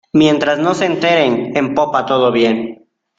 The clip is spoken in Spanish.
mientras no se enteren en popa, todo bien.